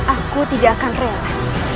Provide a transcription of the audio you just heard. aku tidak akan rela